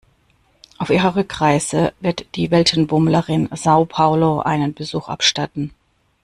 Auf ihrer Rückreise wird die Weltenbummlerin Sao Paulo einen Besuch abstatten.